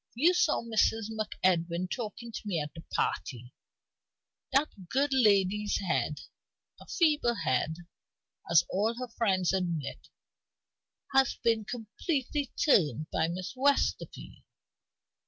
You saw Mrs. MacEdwin talking to me at the party. That good lady's head a feeble head, as all her friends admit has been completely turned by Miss Westerfield.